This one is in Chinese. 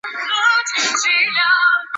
它以俄亥俄州托莱多命名。